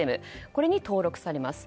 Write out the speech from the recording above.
これに登録されます。